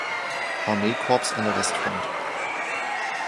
Armee-Korps an der Westfront.